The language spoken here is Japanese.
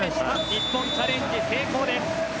日本、チャレンジ成功です。